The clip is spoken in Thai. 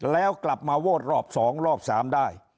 แล้วกลับมาโหวตรอบ๒รอบ๓ได้